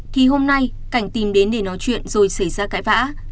thì hôm nay cảnh tìm đến để nói chuyện rồi xảy ra cãi vã